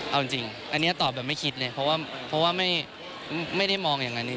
เอาจริงอันนี้ตอบแบบไม่คิดเลยเพราะว่าไม่ได้มองอย่างนั้น